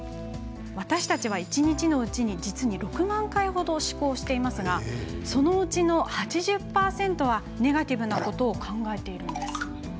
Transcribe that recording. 私たちは、一日のうちに実に６万回ほど思考しているんですがそのうちの８０％はネガティブなことを考えているのです。